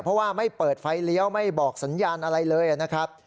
เพราะว่าไม่เปิดไฟเลี้ยวไม่บอกสัญญาณอะไรเลยนะครับ